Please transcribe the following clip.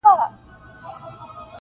• زه او ته به هم په لاره کي یاران سو -